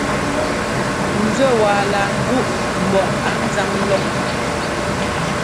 Nzúɛ́ waa laa nzúʼ mbɔ á nzáŋ lɔn.